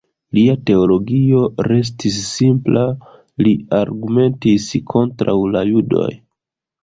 Lia teologio restis simpla; li argumentis kontraŭ la judoj.